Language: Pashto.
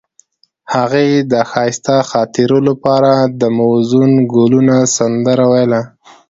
هغې د ښایسته خاطرو لپاره د موزون ګلونه سندره ویله.